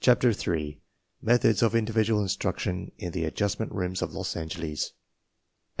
CHAPTER THREE Methods of Individual Instruction in the Ad justment Rooms of Los Angeles A